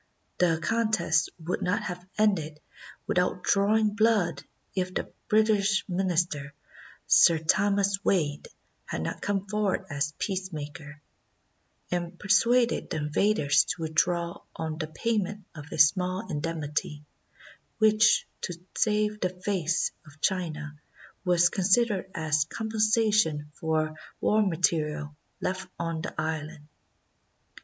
The contest would not have ended without drawing blood if the British Minister, Sir Thomas Wade, had not come forward as peacemaker, and per suaded the invaders to withdraw on the payment of a small indemnity, which, to save the "face" of China, was considered as compensation for war material left on the island.